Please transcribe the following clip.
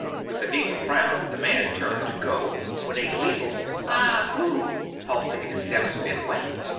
With a deeper frown the man turned to go, when a gleeful "Ah goo!" halted his steps midway.